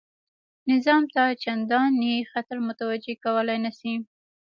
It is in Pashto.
نظام ته چنداني خطر متوجه کولای نه شي.